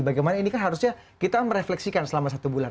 bagaimana ini kan harusnya kita merefleksikan selama satu bulan